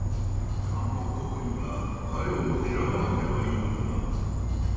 韓国国民が彼を選ばなければいいのだが。